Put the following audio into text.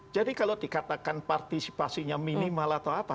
jadi kalau dikatakan partisipasinya minimal atau apa